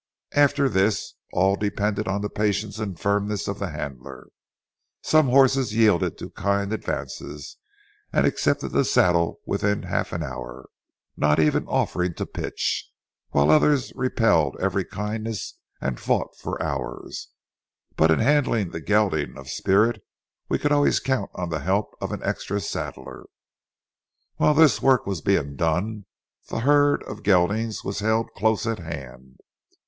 After this, all depended on the patience and firmness of the handler. Some horses yielded to kind advances and accepted the saddle within half an hour, not even offering to pitch, while others repelled every kindness and fought for hours. But in handling the gelding of spirit, we could always count on the help of an extra saddler. While this work was being done, the herd of geldings was held close at hand.